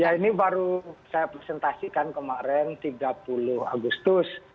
ya ini baru saya presentasikan kemarin tiga puluh agustus